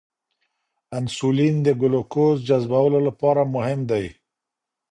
انسولین د ګلوکوز جذبولو لپاره مهم دی.